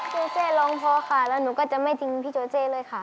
โจเซร้องพอค่ะแล้วหนูก็จะไม่ทิ้งพี่โจเซเลยค่ะ